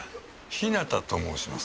日向と申します。